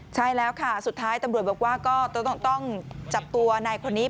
ใช่แล้วค่ะสุดท้ายตำรวจบอกว่าก็ต้องจับตัวนายคนนี้